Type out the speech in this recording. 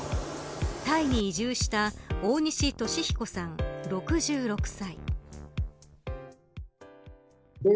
タイに移住した大西俊彦さん６６歳。